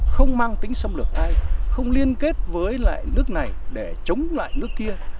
không mang tính xâm lược ai không liên kết với lại nước này để chống lại nước kia